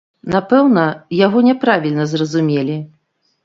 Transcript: Напэўна, яго няправільна зразумелі.